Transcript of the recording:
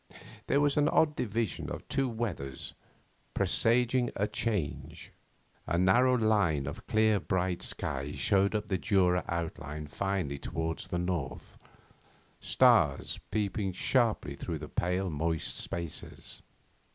There was this odd division of two weathers, presaging a change. A narrow line of clear bright sky showed up the Jura outline finely towards the north, stars peeping sharply through the pale moist spaces.